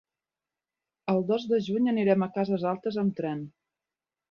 El dos de juny anirem a Cases Altes amb tren.